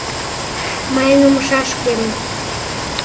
мыйын умшашкем